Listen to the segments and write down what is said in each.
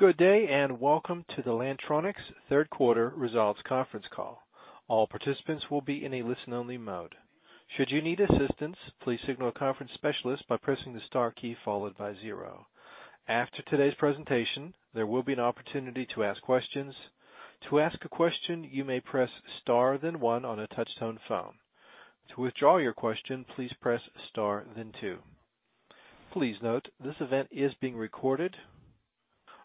Good day, and welcome to the Lantronix third quarter results Conference Call. All participants will be in a listen-only mode. Should you need assistance, please signal a conference specialist by pressing the star key followed by zero. After today's presentation, there will be an opportunity to ask questions. To ask a question, you may press star, then one on a touch-tone phone. To withdraw your question, please press star then two. Please note, this event is being recorded.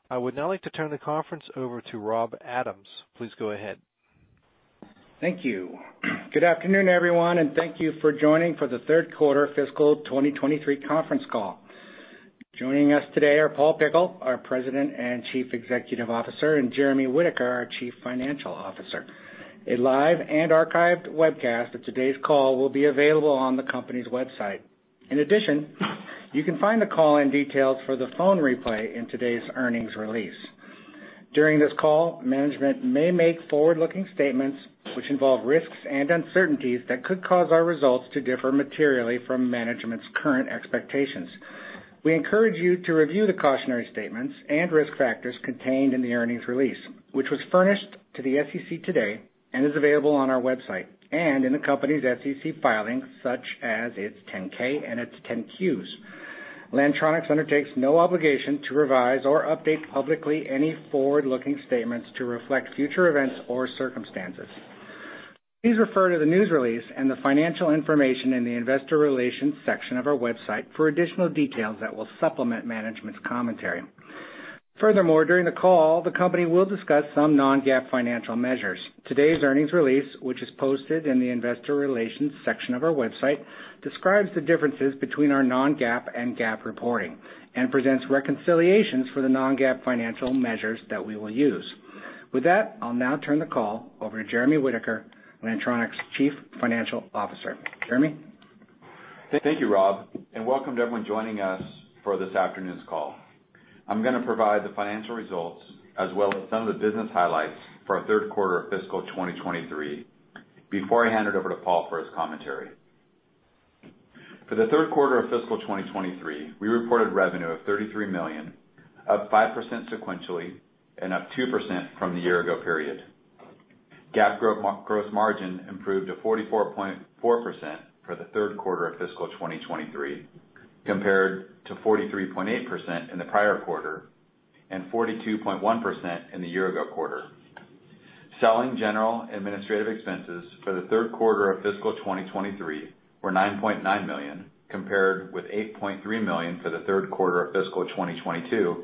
I would now like to turn the conference over to Rob Adams. Please go ahead. Thank you. Good afternoon, everyone, and thank you for joining for the third quarter fiscal 2023 Conference Call. Joining us today are Paul Pickle, our President and Chief Executive Officer, and Jeremy Whitaker, our Chief Financial Officer. A live and archived webcast of today's call will be available on the company's website. In addition, you can find the call and details for the phone replay in today's earnings release. During this call, management may make forward-looking statements which involve risks and uncertainties that could cause our results to differ materially from management's current expectations. We encourage you to review the cautionary statements and risk factors contained in the earnings release, which was furnished to the SEC today and is available on our website, and in the company's SEC filings, such as its 10-K and its 10-Qs. Lantronix undertakes no obligation to revise or update publicly any forward-looking statements to reflect future events or circumstances. Please refer to the news release and the financial information in the investor relations section of our website for additional details that will supplement management's commentary. Furthermore, during the call, the company will discuss some non-GAAP financial measures. Today's earnings release, which is posted in the investor relations section of our website, describes the differences between our non-GAAP and GAAP reporting and presents reconciliations for the non-GAAP financial measures that we will use. With that, I'll now turn the call over to Jeremy Whitaker, Lantronix Chief Financial Officer. Jeremy? Thank you, Rob. Welcome to everyone joining us for this afternoon's call. I'm gonna provide the financial results as well as some of the business highlights for our third quarter of fiscal 2023 before I hand it over to Paul for his commentary. For the third quarter of fiscal 2023, we reported revenue of $33 million, up 5% sequentially and up 2% from the year ago period. GAAP gross margin improved to 44.4% for the third quarter of fiscal 2023, compared to 43.8% in the prior quarter and 42.1% in the year ago quarter. Selling general administrative expenses for the third quarter of fiscal 2023 were $9.9 million, compared with $8.3 million for the third quarter of fiscal 2022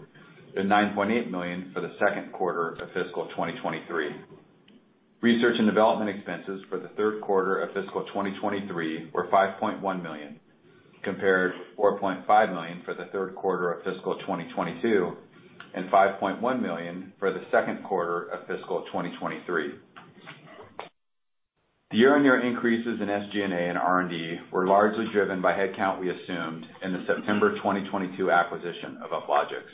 and $9.8 million for the second quarter of fiscal 2023. Research and development expenses for the third quarter of fiscal 2023 were $5.1 million, compared to $4.5 million for the third quarter of fiscal 2022 and $5.1 million for the second quarter of fiscal 2023. The year-on-year increases in SG&A and R&D were largely driven by headcount we assumed in the September 2022 acquisition of Uplogix.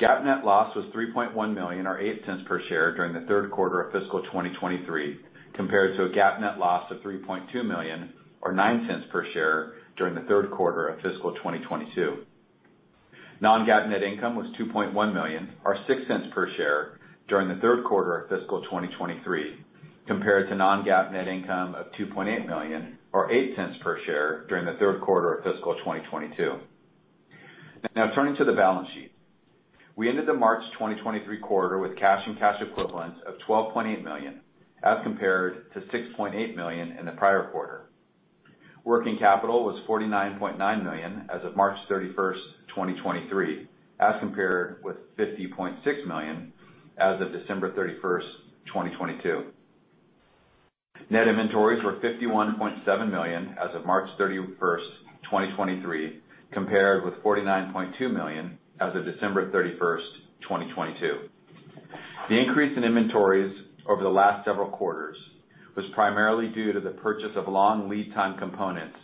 GAAP net loss was $3.1 million or $0.08 per share during the third quarter of fiscal 2023, compared to a GAAP net loss of $3.2 million or $0.09 per share during the third quarter of fiscal 2022. Non-GAAP net income was $2.1 million or $0.06 per share during the third quarter of fiscal 2023, compared to non-GAAP net income of $2.8 million or $0.08 per share during the third quarter of fiscal 2022. Now turning to the balance sheet. We ended the March 2023 quarter with cash and cash equivalents of $12.8 million, as compared to $6.8 million in the prior quarter. Working capital was $49.9 million as of March 31, 2023, as compared with $50.6 million as of December 31, 2022. Net inventories were $51.7 million as of March 31, 2023, compared with $49.2 million as of December 31, 2022. The increase in inventories over the last several quarters was primarily due to the purchase of long lead time components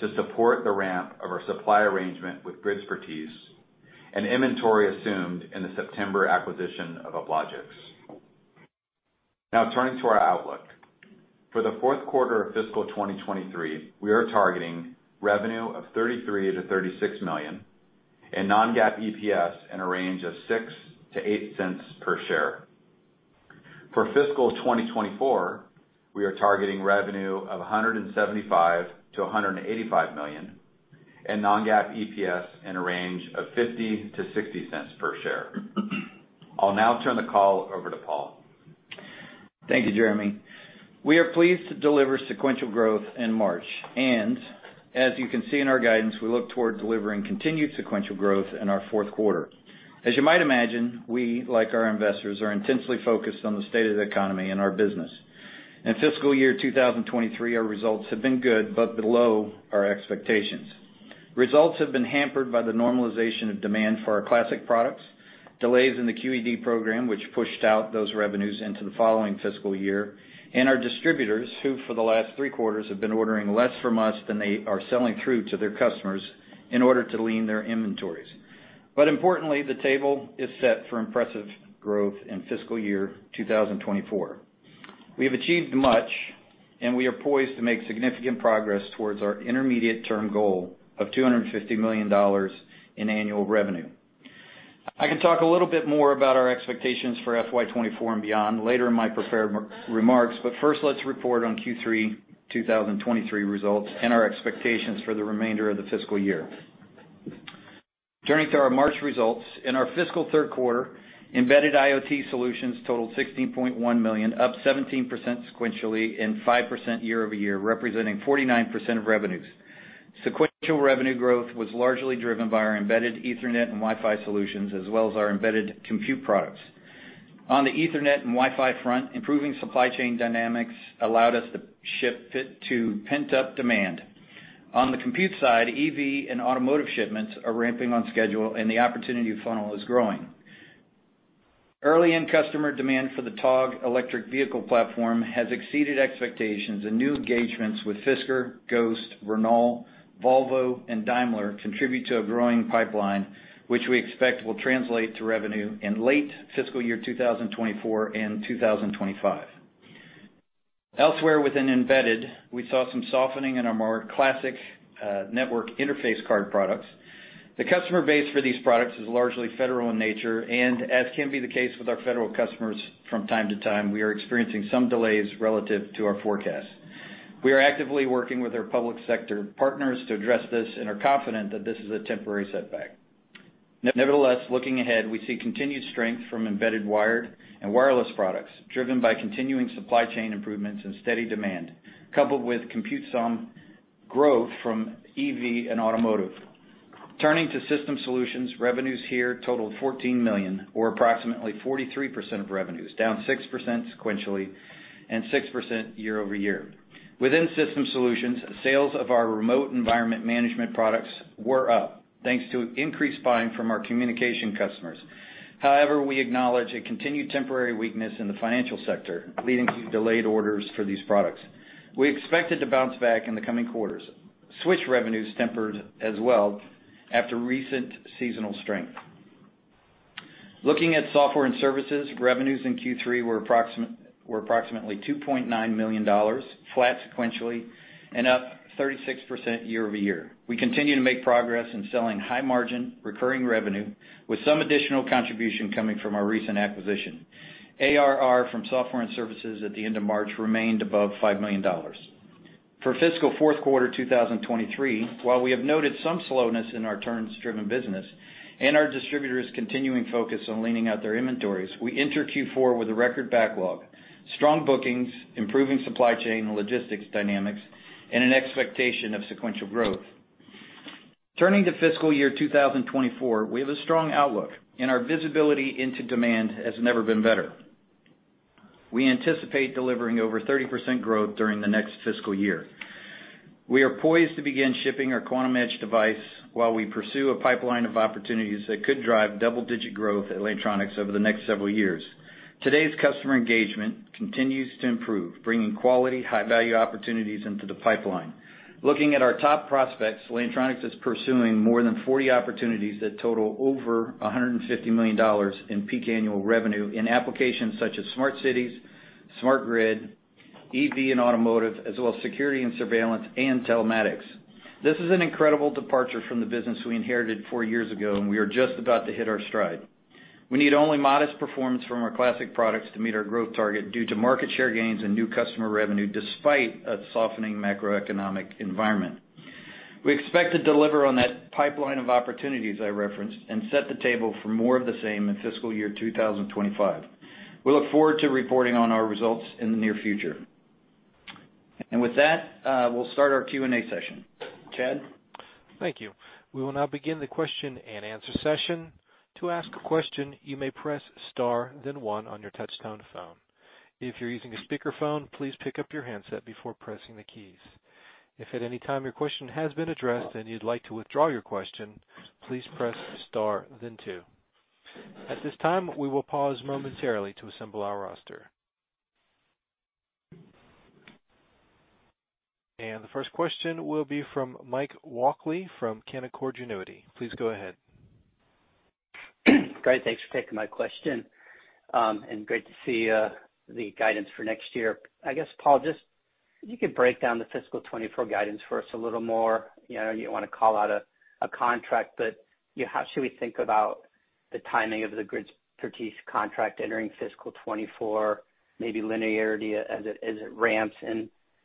to support the ramp of our supply arrangement with Gridspertise and inventory assumed in the September acquisition of Uplogix. Now turning to our outlook. For the fourth quarter of fiscal 2023, we are targeting revenue of $33 million-$36 million and non-GAAP EPS in a range of $0.06-$0.08 per share. For fiscal 2024, we are targeting revenue of $175 million-$185 million and non-GAAP EPS in a range of $0.50-$0.60 per share. I'll now turn the call over to Paul. Thank you, Jeremy. We are pleased to deliver sequential growth in March. As you can see in our guidance, we look toward delivering continued sequential growth in our fourth quarter. As you might imagine, we, like our investors, are intensely focused on the state of the economy and our business. In fiscal year 2023, our results have been good but below our expectations. Results have been hampered by the normalization of demand for our classic products, delays in the QED program, which pushed out those revenues into the following fiscal year, and our distributors, who, for the last three quarters, have been ordering less from us than they are selling through to their customers in order to lean their inventories. Importantly, the table is set for impressive growth in fiscal year 2024. We have achieved much. We are poised to make significant progress towards our intermediate-term goal of $250 million in annual revenue. I can talk a little bit more about our expectations for FY 2024 and beyond later in my prepared remarks. First, let's report on Q3 2023 results and our expectations for the remainder of the fiscal year. Turning to our March results. In our fiscal third quarter, embedded IoT solutions totaled $16.1 million, up 17% sequentially and 5% year-over-year, representing 49% of revenues. Sequential revenue growth was largely driven by our embedded Ethernet and Wi-Fi solutions, as well as our embedded compute products. On the Ethernet and Wi-Fi front, improving supply chain dynamics allowed us to ship fit to pent-up demand. On the compute side, EV and automotive shipments are ramping on schedule, and the opportunity funnel is growing. Early in customer demand for the Togg electric vehicle platform has exceeded expectations, and new engagements with Fisker, Ghost, Renault, Volvo, and Daimler contribute to a growing pipeline, which we expect will translate to revenue in late fiscal year 2024 and 2025. Elsewhere within embedded, we saw some softening in our more classic network interface card products. The customer base for these products is largely federal in nature, and as can be the case with our federal customers from time to time, we are experiencing some delays relative to our forecast. We are actively working with our public sector partners to address this and are confident that this is a temporary setback. Nevertheless, looking ahead, we see continued strength from embedded wired and wireless products, driven by continuing supply chain improvements and steady demand, coupled with compute some growth from EV and automotive. Turning to system solutions, revenues here totaled $14 million or approximately 43% of revenues, down 6% sequentially and 6% year-over-year. Within system solutions, sales of our Remote Environment Management products were up, thanks to increased buying from our communication customers. However, we acknowledge a continued temporary weakness in the financial sector, leading to delayed orders for these products. We expected to bounce back in the coming quarters. Switch revenues tempered as well after recent seasonal strength. Looking at software and services, revenues in Q3 were approximately $2.9 million, flat sequentially and up 36% year-over-year. We continue to make progress in selling high margin recurring revenue with some additional contribution coming from our recent acquisition. ARR from software and services at the end of March remained above $5 million. For fiscal fourth quarter 2023, while we have noted some slowness in our turns-driven business and our distributors continuing focus on leaning out their inventories, we enter Q4 with a record backlog, strong bookings, improving supply chain and logistics dynamics, and an expectation of sequential growth. Turning to fiscal year 2024, we have a strong outlook, and our visibility into demand has never been better. We anticipate delivering over 30% growth during the next fiscal year. We are poised to begin shipping our Quantum Edge device while we pursue a pipeline of opportunities that could drive double-digit growth at Lantronix over the next several years. Today's customer engagement continues to improve, bringing quality, high-value opportunities into the pipeline. Looking at our top prospects, Lantronix is pursuing more than 40 opportunities that total over $150 million in peak annual revenue in applications such as smart cities, smart grid, EV and automotive, as well as security and surveillance and telematics. This is an incredible departure from the business we inherited four years ago. We are just about to hit our stride. We need only modest performance from our classic products to meet our growth target due to market share gains and new customer revenue despite a softening macroeconomic environment. We expect to deliver on that pipeline of opportunities I referenced and set the table for more of the same in fiscal year 2025. We look forward to reporting on our results in the near future. With that, we'll start our Q&A session. Chad? Thank you. We will now begin the question and answer session. To ask a question, you may press star then one on your touchtone phone. If you're using a speakerphone, please pick up your handset before pressing the keys. If at any time your question has been addressed and you'd like to withdraw your question, please press star then two. At this time, we will pause momentarily to assemble our roster. The first question will be from Mike Walkley from Canaccord Genuity. Please go ahead. Great. Thanks for taking my question, great to see the guidance for next year. I guess, Paul, just if you could break down the fiscal 2024 guidance for us a little more. You know, I know you don't wanna call out a contract, but, you know, how should we think about the timing of the Gridspertise contract entering fiscal 2024, maybe linearity as it ramps?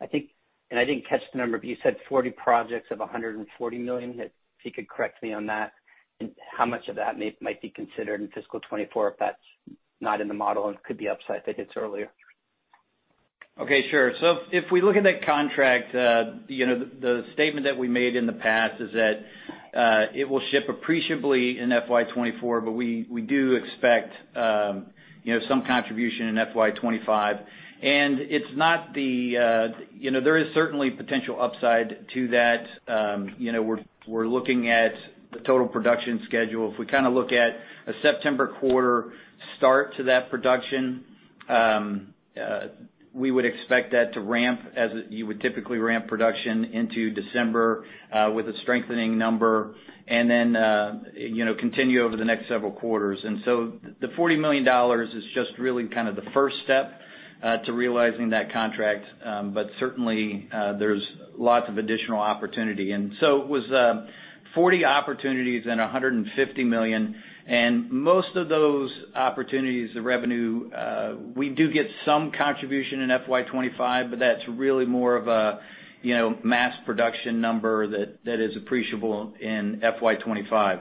I think, I didn't catch the number, but you said 40 projects of $140 million, if you could correct me on that, and how much of that might be considered in fiscal 2024, if that's not in the model and could be upside if it hits earlier. Okay, sure. If we look at that contract, you know, the statement that we made in the past is that, it will ship appreciably in FY 2024, but we do expect, you know, some contribution in FY 2025. It's not the, you know, there is certainly potential upside to that. You know, we're looking at the total production schedule. If we kinda look at a September quarter start to that production, we would expect that to ramp as it you would typically ramp production into December, with a strengthening number and then, you know, continue over the next several quarters. The $40 million is just really kind of the first step to realizing that contract, but certainly, there's lots of additional opportunity. It was 40 opportunities and $150 million, and most of those opportunities, the revenue, we do get some contribution in FY 2025, but that's really more of a, you know, mass production number that is appreciable in FY 2025.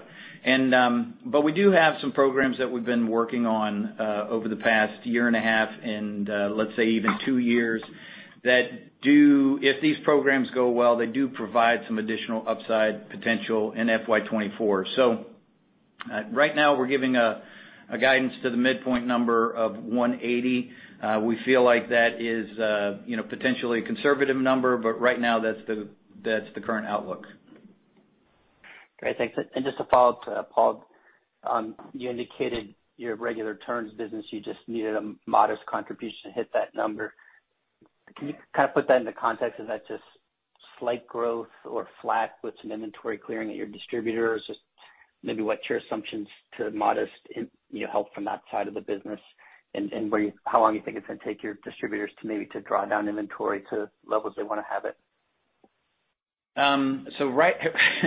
We do have some programs that we've been working on over the past year and a half and, let's say even two years. If these programs go well, they do provide some additional upside potential in FY 2024. Right now we're giving a guidance to the midpoint number of $180. We feel like that is, you know, potentially a conservative number, but right now that's the, that's the current outlook. Great. Thanks. Just a follow-up to Paul. You indicated your regular turns business, you just needed a modest contribution to hit that number. Can you kind of put that into context? Is that just slight growth or flat with some inventory clearing at your distributors? Just maybe what's your assumptions to modest in, you know, help from that side of the business and how long you think it's gonna take your distributors to maybe to draw down inventory to levels they wanna have it? Right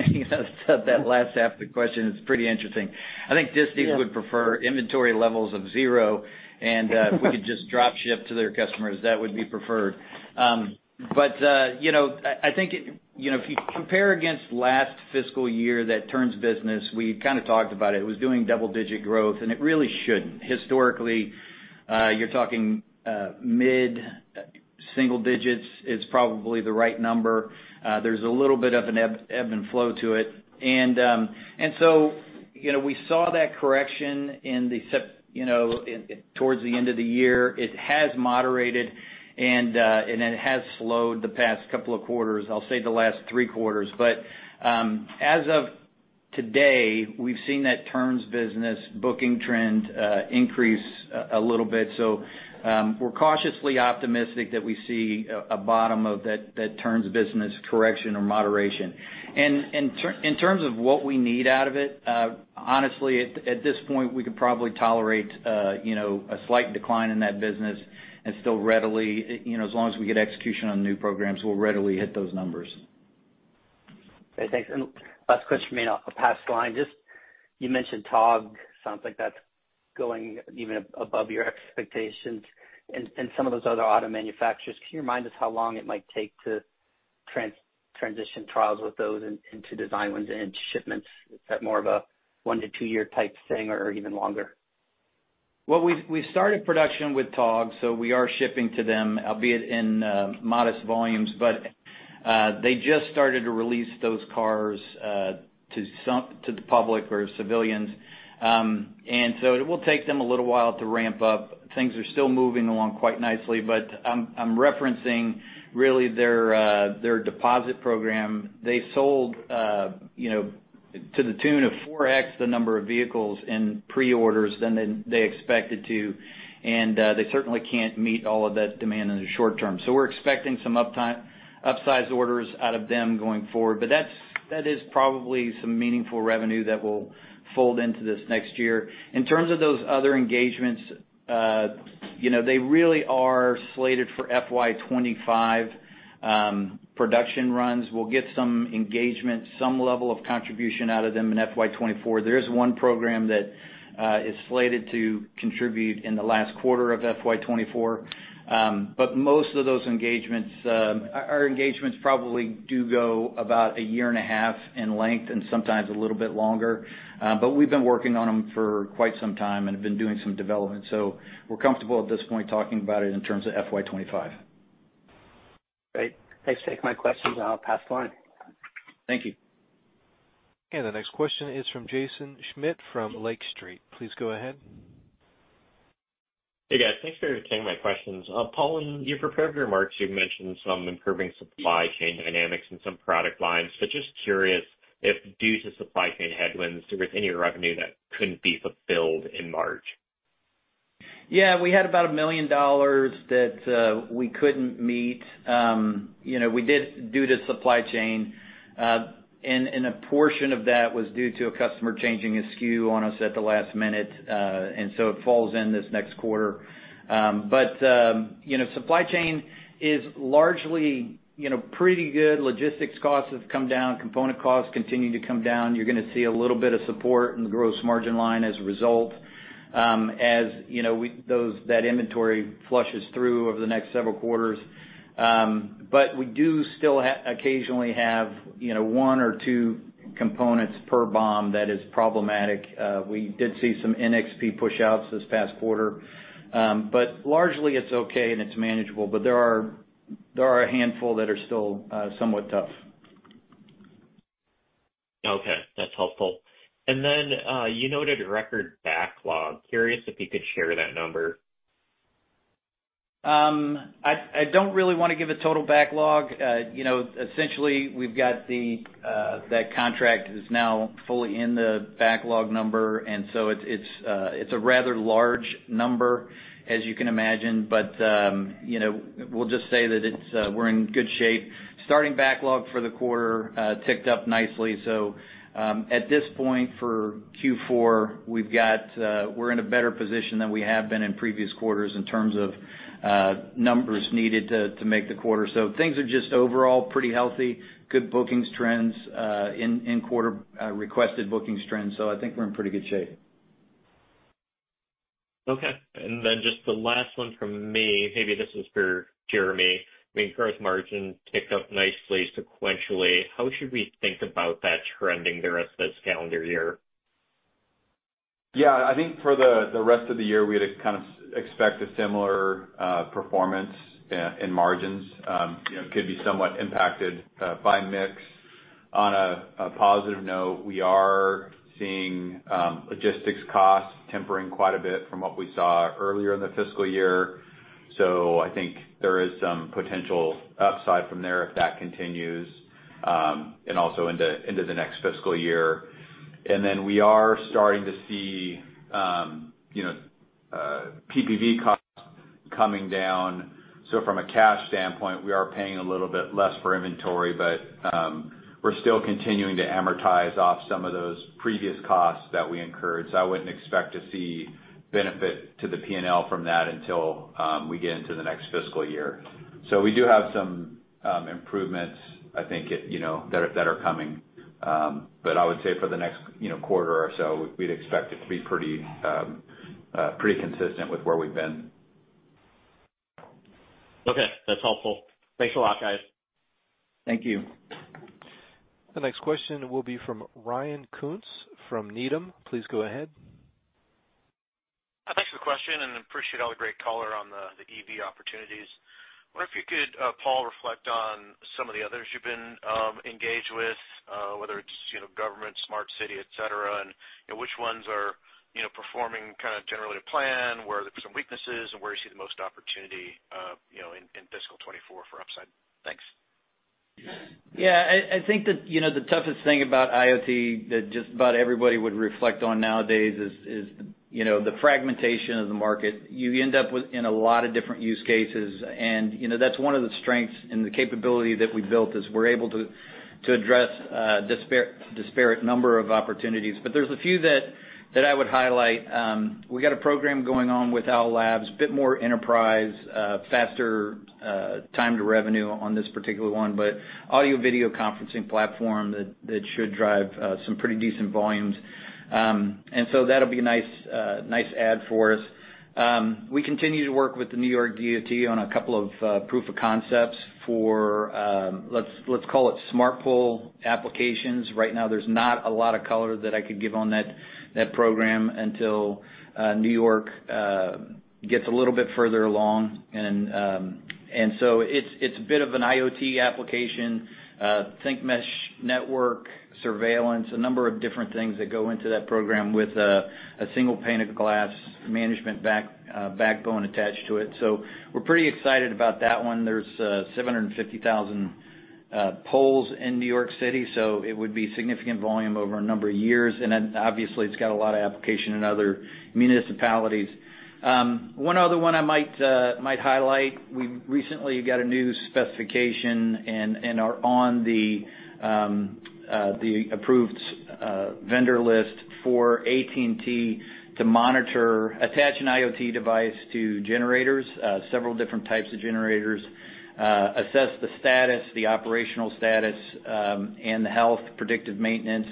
you know, so that last half of the question is pretty interesting. Yeah. I think Disney would prefer inventory levels of zero, and if we could just drop ship to their customers, that would be preferred. You know, I think it, you know, if you compare against last fiscal year, that turns business, we kind of talked about it. It was doing double-digit growth, and it really shouldn't. Historically, you're talking mid-single digits is probably the right number. There's a little bit of an ebb and flow to it. You know, we saw that correction in the, you know, in, towards the end of the year. It has moderated, and it has slowed the past couple of quarters. I'll say the last three quarters. As of today, we've seen that turns business booking trend, increase a little bit. We're cautiously optimistic that we see a bottom of that turns business correction or moderation. In terms of what we need out of it, honestly, at this point, we could probably tolerate, you know, a slight decline in that business and still readily, you know, as long as we get execution on new programs, we'll readily hit those numbers. Okay. Thanks. Last question for me, and I'll pass the line. Just you mentioned Togg. Sounds like that's going even above your expectations and some of those other auto manufacturers. Can you remind us how long it might take to transition trials with those into design wins and shipments? Is that more of a one to two year type thing or even longer? We've started production with Togg, we are shipping to them, albeit in modest volumes. They just started to release those cars to some, to the public or civilians. It will take them a little while to ramp up. Things are still moving along quite nicely, I'm referencing really their deposit program. They sold, you know, to the tune of 4x the number of vehicles in pre-orders than they expected to, they certainly can't meet all of that demand in the short term. We're expecting some upsized orders out of them going forward. That's, that is probably some meaningful revenue that will fold into this next year. In terms of those other engagements, you know, they really are slated for FY 2025 production runs. We'll get some engagement, some level of contribution out of them in FY 2024. There is one program that is slated to contribute in the last quarter of FY 2024. Most of those engagements, our engagements probably do go about a year and a half in length and sometimes a little bit longer. We've been working on them for quite some time and have been doing some development. We're comfortable at this point talking about it in terms of FY 2025. Great. Thanks for taking my questions and I'll pass the line. Thank you. Okay. The next question is from Jaeson Schmidt from Lake Street. Please go ahead. Hey, guys. Thanks for taking my questions. Paul, in your prepared remarks, you mentioned some improving supply chain dynamics in some product lines. Just curious if due to supply chain headwinds, there was any revenue that couldn't be fulfilled in March? Yeah. We had about $1 million that we couldn't meet. You know, we did due to supply chain, and a portion of that was due to a customer changing a SKU on us at the last minute, and so it falls in this next quarter. You know, supply chain is largely, you know, pretty good. Logistics costs have come down, component costs continue to come down. You're gonna see a little bit of support in the gross margin line as a result, as, you know, those, that inventory flushes through over the next several quarters. We do still occasionally have, you know, one or two components per bomb that is problematic. We did see some NXP pushouts this past quarter. Largely it's okay and it's manageable. There are a handful that are still somewhat tough. Okay, that's helpful. You noted record backlog. Curious if you could share that number. I don't really wanna give a total backlog. You know, essentially, we've got the that contract is now fully in the backlog number, and so it's a rather large number, as you can imagine. You know, we'll just say that it's we're in good shape. Starting backlog for the quarter ticked up nicely. At this point for Q4, we've got we're in a better position than we have been in previous quarters in terms of numbers needed to make the quarter. Things are just overall pretty healthy, good bookings trends in quarter, requested bookings trends. I think we're in pretty good shape. Okay. Then just the last one from me, maybe this is for Jeremy. I mean, gross margin ticked up nicely sequentially. How should we think about that trending the rest of this calendar year? Yeah. I think for the rest of the year, we had to kind of expect a similar performance in margins. You know, could be somewhat impacted by mix. On a positive note, we are seeing logistics costs tempering quite a bit from what we saw earlier in the fiscal year. I think there is some potential upside from there if that continues, and also into the next fiscal year. We are starting to see, you know, PPV costs coming down. From a cash standpoint, we are paying a little bit less for inventory. We're still continuing to amortize off some of those previous costs that we incurred. I wouldn't expect to see benefit to the P&L from that until we get into the next fiscal year. We do have some improvements, I think, you know, that are coming. I would say for the next, you know, quarter or so, we'd expect it to be pretty consistent with where we've been. Okay. That's helpful. Thanks a lot, guys. Thank you. The next question will be from Ryan Koontz from Needham. Please go ahead. Thanks for the question, appreciate all the great color on the EV opportunities. Wonder if you could, Paul, reflect on some of the others you've been engaged with, whether it's, you know, government, smart city, et cetera, you know, which ones are, you know, performing kinda generally to plan, where are there some weaknesses, and where you see the most opportunity, you know, in fiscal 2024 for upside? Thanks. Yeah. I think that, you know, the toughest thing about IoT that just about everybody would reflect on nowadays is, you know, the fragmentation of the market. You end up with in a lot of different use cases and, you know, that's one of the strengths and the capability that we built is we're able to address a disparate number of opportunities. There's a few that I would highlight. We got a program going on with Owl Labs, a bit more enterprise, faster, time to revenue on this particular one, but audio-video conferencing platform that should drive some pretty decent volumes. That'll be a nice add for us. We continue to work with the New York DOT on a couple of proof of concepts for, let's call it smart pole applications. Right now there's not a lot of color that I could give on that program until New York gets a little bit further along. It's a bit of an IoT application, think mesh network surveillance, a number of different things that go into that program with a single pane of glass management backbone attached to it. We're pretty excited about that one. There's 750,000 poles in New York City, so it would be significant volume over a number of years. Obviously it's got a lot of application in other municipalities. One other one I might highlight, we recently got a new specification and are on the approved vendor list for AT&T to monitor, attach an IoT device to generators, several different types of generators, assess the status, the operational status, and the health, predictive maintenance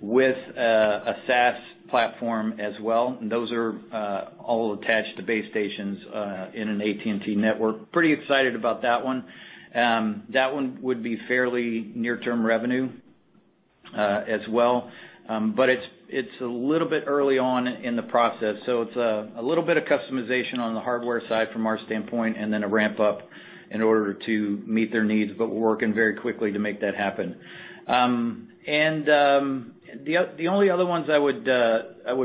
with a SaaS platform as well. Those are all attached to base stations in an AT&T network. Pretty excited about that one. That one would be fairly near-term revenue as well. It's a little bit early on in the process, so it's a little bit of customization on the hardware side from our standpoint and then a ramp up in order to meet their needs, but we're working very quickly to make that happen. The only other ones I would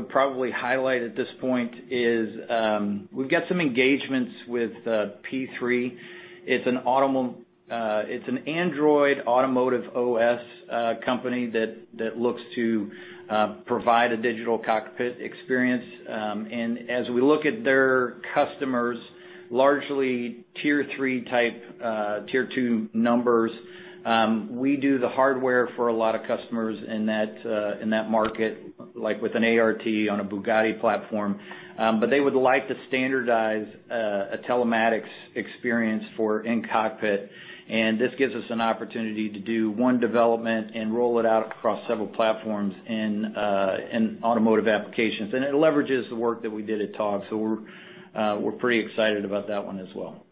probably highlight at this point is, we've got some engagements with P3. It's an Android Automotive OS company that looks to provide a digital cockpit experience. As we look at their customers, largely tier three type, tier two numbers, we do the hardware for a lot of customers in that market, like with an ART on a Bugatti platform. They would like to standardize a telematics experience for in-cockpit, and this gives us an opportunity to do one development and roll it out across several platforms in automotive applications. It leverages the work that we did at Togg, so we're pretty excited about that one as well.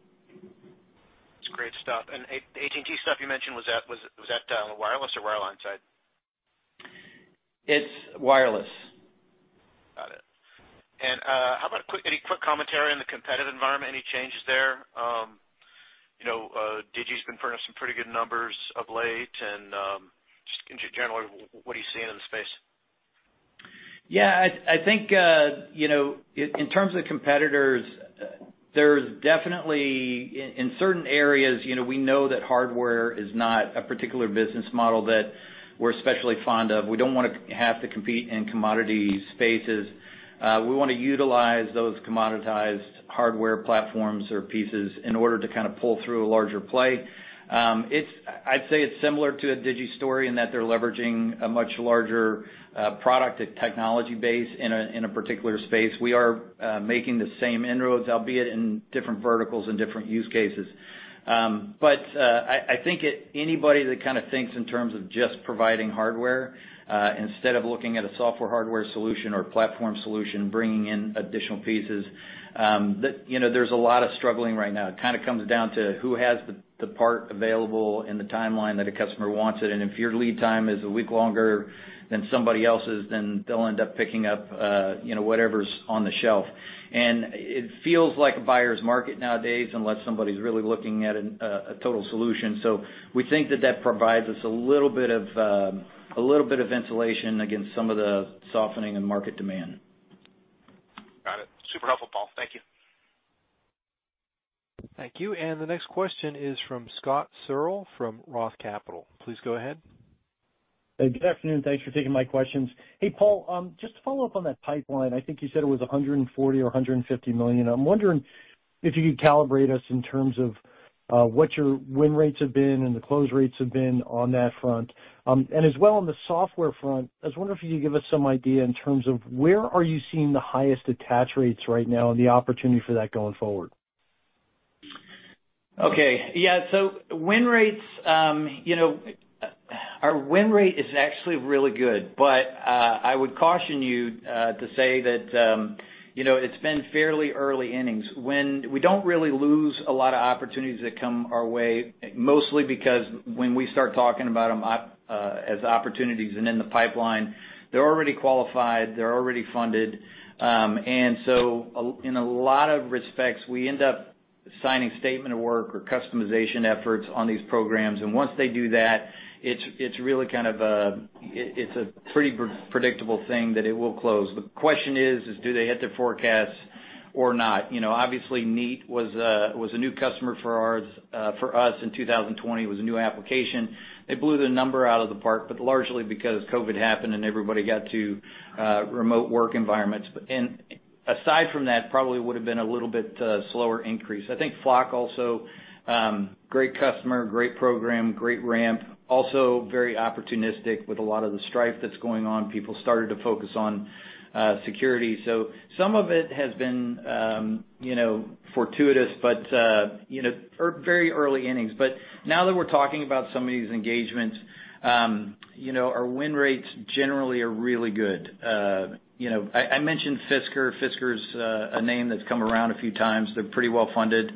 That's great stuff. AT&T stuff you mentioned, was that on the wireless or wireline side? It's wireless. Got it. How about quick, any quick commentary on the competitive environment? Any changes there? You know, Digi's been putting up some pretty good numbers of late and, just generally, what are you seeing in the space? Yeah. I think, you know, in terms of competitors, there's definitely in certain areas, you know, we know that hardware is not a particular business model that we're especially fond of. We don't wanna have to compete in commodity spaces. We wanna utilize those commoditized hardware platforms or pieces in order to kind of pull through a larger play. I'd say it's similar to a Digi story in that they're leveraging a much larger product and technology base in a, in a particular space. We are making the same inroads, albeit in different verticals and different use cases. I think anybody that kind of thinks in terms of just providing hardware, instead of looking at a software-hardware solution or platform solution, bringing in additional pieces, that, you know, there's a lot of struggling right now. It kind of comes down to who has the part available in the timeline that a customer wants it. If your lead time is a week longer than somebody else's, then they'll end up picking up, you know, whatever's on the shelf. It feels like a buyer's market nowadays, unless somebody's really looking at a total solution. We think that that provides us a little bit of insulation against some of the softening in market demand. Got it. Super helpful, Paul. Thank you. Thank you. The next question is from Scott Searle from Roth Capital. Please go ahead. Hey, good afternoon. Thanks for taking my questions. Hey, Paul, just to follow up on that pipeline, I think you said it was $140 million or $150 million. I'm wondering if you could calibrate us in terms of what your win rates have been and the close rates have been on that front. As well on the software front, I was wondering if you could give us some idea in terms of where are you seeing the highest attach rates right now and the opportunity for that going forward? Okay. Yeah. Win rates, you know, our win rate is actually really good. I would caution you to say that, you know, it's been fairly early innings. We don't really lose a lot of opportunities that come our way, mostly because when we start talking about them as opportunities and in the pipeline, they're already qualified, they're already funded. In a lot of respects, we end up signing statement of work or customization efforts on these programs. Once they do that, it's a pretty predictable thing that it will close. The question is do they hit their forecast or not? You know, obviously Neat was a new customer for us in 2020. It was a new application. They blew the number out of the park, but largely because COVID happened and everybody got to remote work environments. Aside from that, probably would have been a little bit slower increase. I think Flock also, great customer, great program, great ramp, also very opportunistic with a lot of the strife that's going on. People started to focus on security. Some of it has been, you know, fortuitous, but, you know, very early innings. Now that we're talking about some of these engagements, you know, our win rates generally are really good. You know, I mentioned Fisker. Fisker's a name that's come around a few times. They're pretty well-funded.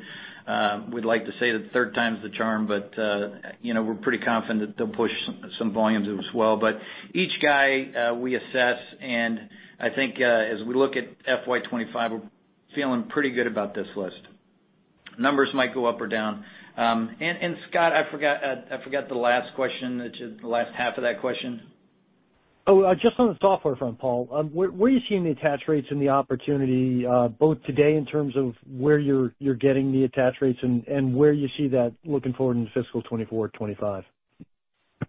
We'd like to say that third time's the charm, but, you know, we're pretty confident that they'll push some volumes as well. Each guy, we assess, and I think, as we look at FY 2025, we're feeling pretty good about this list. Numbers might go up or down. Scott, I forgot the last question, which is the last half of that question. Just on the software front, Paul, where are you seeing the attach rates and the opportunity, both today in terms of where you're getting the attach rates and where you see that looking forward in fiscal 2024, 2025?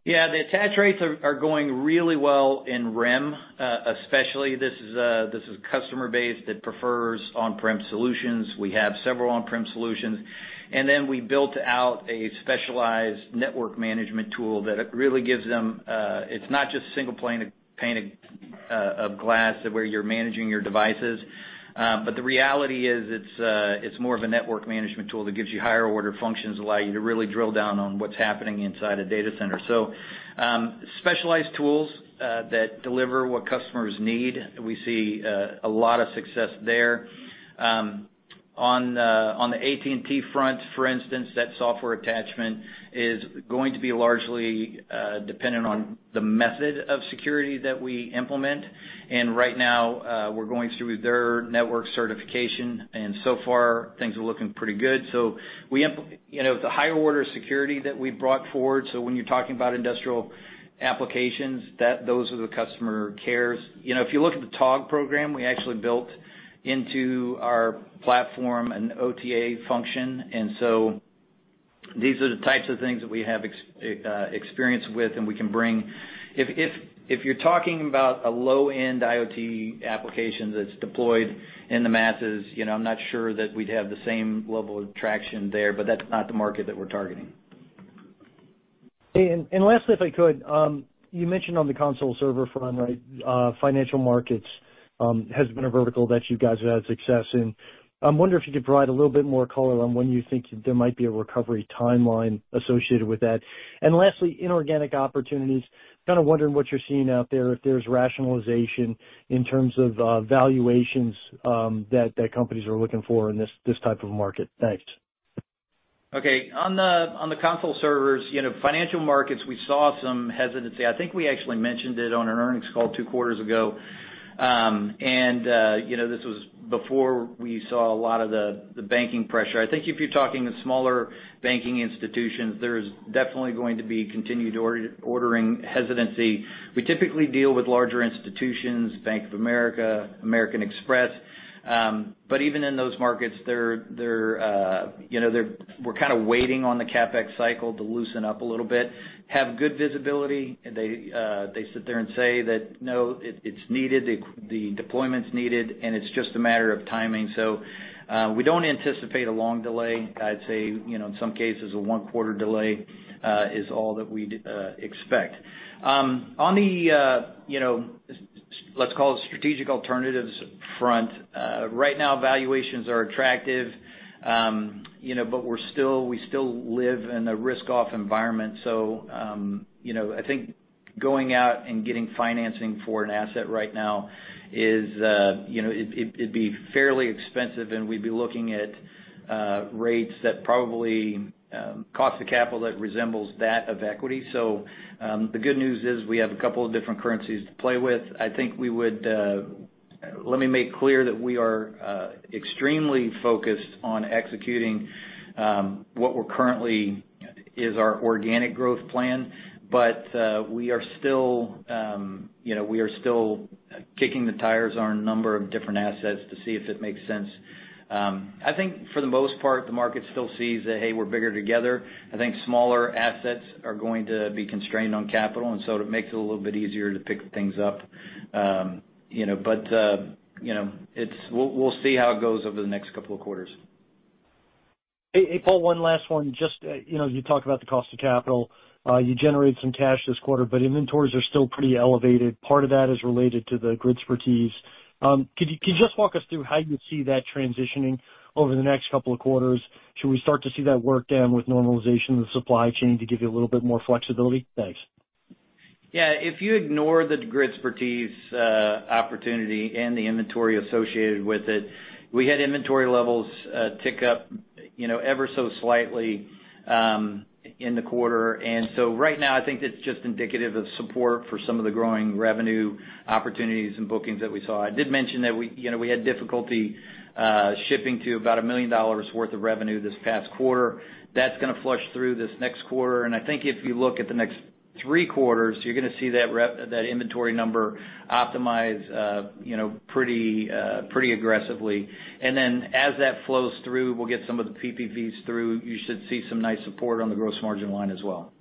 Yeah. The attach rates are going really well in REM, especially. This is customer base that prefers on-prem solutions. We have several on-prem solutions. We built out a specialized network management tool that it really gives them. It's not just a single pane of glass where you're managing your devices. The reality is it's more of a network management tool that gives you higher order functions, allow you to really drill down on what's happening inside a data center. Specialized tools that deliver what customers need, we see a lot of success there. On the AT&T front, for instance, that software attachment is going to be largely dependent on the method of security that we implement. Right now, we're going through their network certification, and so far things are looking pretty good. You know, the higher order security that we brought forward, so when you're talking about industrial applications, those are the customer cares. You know, if you look at the Togg program, we actually built into our platform an OTA function. These are the types of things that we have experience with and we can bring. If you're talking about a low-end IoT application that's deployed in the masses, you know, I'm not sure that we'd have the same level of traction there, but that's not the market that we're targeting. Lastly, if I could, you mentioned on the console server front, right, financial markets has been a vertical that you guys have had success in. I'm wondering if you could provide a little bit more color on when you think there might be a recovery timeline associated with that. Lastly, inorganic opportunities, kind of wondering what you're seeing out there, if there's rationalization in terms of valuations, that companies are looking for in this type of market. Thanks. Okay. On the console servers, you know, financial markets, we saw some hesitancy. I think we actually mentioned it on an earnings call two quarters ago. You know, this was before we saw a lot of the banking pressure. I think if you're talking the smaller banking institutions, there is definitely going to be continued ordering hesitancy. We typically deal with larger institutions, Bank of America, American Express. Even in those markets, we're kind of waiting on the CapEx cycle to loosen up a little bit. Have good visibility. They sit there and say that, "No, it's needed. The deployment's needed, and it's just a matter of timing." We don't anticipate a long delay. I'd say, you know, in some cases, a one-quarter delay is all that we'd expect. On the, you know, let's call it strategic alternatives front. Right now, valuations are attractive, you know, but we still live in a risk-off environment. You know, I think going out and getting financing for an asset right now is, you know, it'd be fairly expensive, and we'd be looking at rates that probably cost the capital that resembles that of equity. The good news is we have a couple of different currencies to play with. I think we would, let me make clear that we are extremely focused on executing what we're currently is our organic growth plan. We are still, you know, we are still kicking the tires on a number of different assets to see if it makes sense. I think for the most part, the market still sees that, hey, we're bigger together. I think smaller assets are going to be constrained on capital. It makes it a little bit easier to pick things up. You know, you know, we'll see how it goes over the next couple of quarters. Hey, hey, Paul, one last one. You know, you talked about the cost of capital. You generated some cash this quarter, but inventories are still pretty elevated. Part of that is related to the Gridspertise. Can you just walk us through how you see that transitioning over the next couple of quarters? Should we start to see that work down with normalization of the supply chain to give you a little bit more flexibility? Thanks. Yeah. If you ignore the Gridspertise opportunity and the inventory associated with it, we had inventory levels tick up, you know, ever so slightly, in the quarter. Right now, I think it's just indicative of support for some of the growing revenue opportunities and bookings that we saw. I did mention that we, you know, we had difficulty shipping to about $1 million worth of revenue this past quarter. That's gonna flush through this next quarter. I think if you look at the next three quarters, you're gonna see that inventory number optimize, you know, pretty aggressively. As that flows through, we'll get some of the PPVs through. You should see some nice support on the gross margin line as well.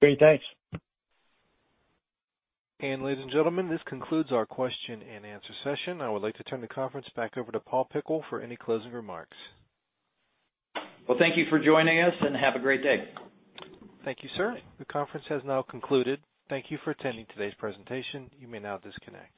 Great. Thanks. Ladies and gentlemen, this concludes our question-and-answer session. I would like to turn the conference back over to Paul Pickle for any closing remarks. Well, thank you for joining us, and have a great day. Thank you, sir. The conference has now concluded. Thank you for attending today's presentation. You may now disconnect.